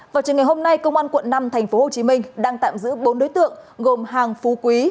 vào trường ngày hôm nay công an quận năm tp hcm đang tạm giữ bốn đối tượng gồm hàng phú quý